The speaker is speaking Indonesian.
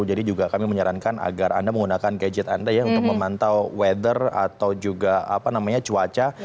jadi juga kami menyarankan agar anda menggunakan gadget anda ya untuk memantau weather atau juga apa namanya cuaca